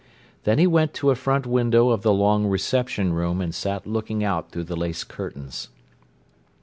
Then he went to a front window of the long "reception room," and sat looking out through the lace curtains.